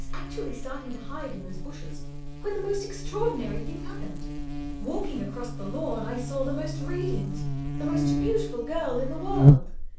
M those bushes when the most extraordinary thing happened. Walking across the lawn I saw the most radiant, the most beautiful girl in the world.